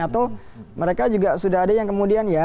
atau mereka juga sudah ada yang kemudian ya